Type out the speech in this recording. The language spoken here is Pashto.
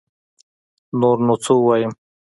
نور نو سه ووايم